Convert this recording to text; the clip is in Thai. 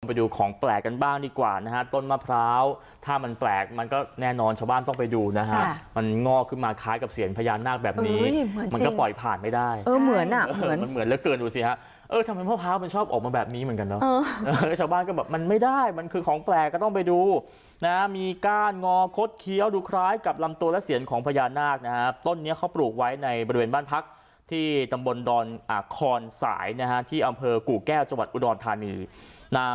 ไปดูของแปลกกันบ้างดีกว่านะฮะต้นมะพร้าวถ้ามันแปลกมันก็แน่นอนชาวบ้านต้องไปดูนะฮะมันงอกขึ้นมาคล้ายกับเสียงพญานาคแบบนี้เหมือนจริงมันก็ปล่อยผ่านไม่ได้เออเหมือนอ่ะเหมือนเหมือนเหมือนเหลือเกินดูสิฮะเออทำไมมะพร้าวมันชอบออกมาแบบนี้เหมือนกันเนอะเออชาวบ้านก็แบบมันไม่ได้มันคือข